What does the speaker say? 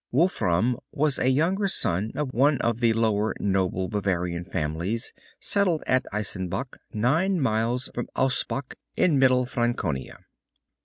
Wolfram was a younger son of one of the lower noble Bavarian families settled at Eschenbach, nine miles from Ausbach, in Middle Franconia.